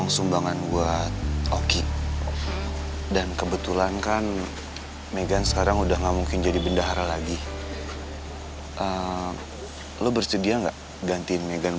sampai jumpa di video selanjutnya